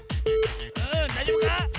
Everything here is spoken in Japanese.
うんだいじょうぶか？